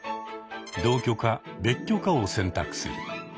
同居か別居かを選択する。